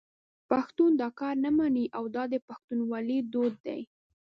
پښتون دا کار نه مني او دا د پښتونولي دود دی.